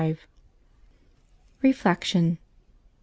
Reflection.